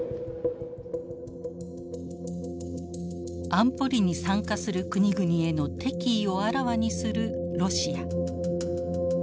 安保理に参加する国々への敵意をあらわにするロシア。